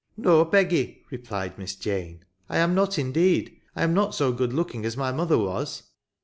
" No, Peggy," replied Miss Jane, '' I am not indeed ; I am not so good looking as my mother was."